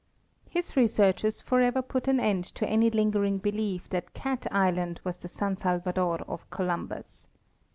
His researches forever put an end to any lingering belief that Cat island was the San Salvador of Columbus.